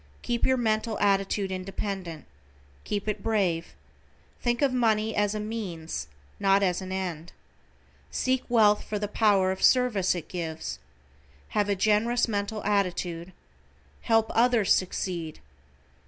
Keep your mental attitude independent. Keep it brave. Think of money as a means, not as an end. Seek wealth for the power of service it gives. Have a generous mental attitude. Help others succeed.